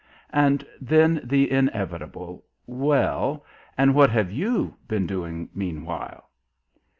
And then the inevitable: "Well and what have you been doing meanwhile?"